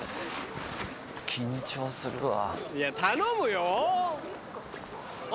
緊張するわ。